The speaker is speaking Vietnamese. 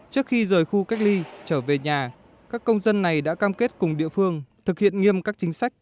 trước khi rời khu cách ly trở về nhà các công dân này đã cam kết cùng địa phương thực hiện nghiêm các chính sách